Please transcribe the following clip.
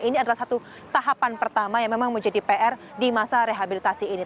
ini adalah satu tahapan pertama yang memang menjadi pr di masa rehabilitasi ini